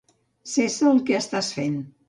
Cessa el que estàs fent.